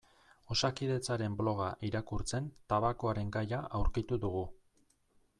Osakidetzaren bloga irakurtzen tabakoaren gaia aurkitu dugu.